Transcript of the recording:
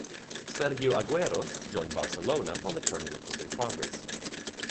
Sergio Aguero joined Barcelona while the tournament was in progress.